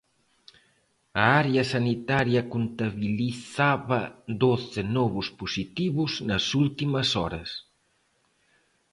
A área sanitaria contabilizaba doce novos positivos nas últimas horas.